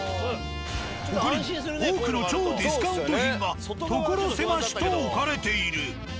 他にも多くの超ディスカウント品が所狭しと置かれている。